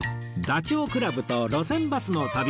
ダチョウ倶楽部と路線バスの旅